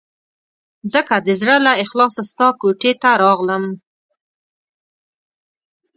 ځکه د زړه له اخلاصه ستا کوټې ته راغلم.